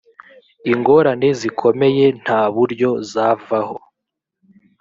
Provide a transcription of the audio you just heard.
ingorane zikomeye nta buryo zavaho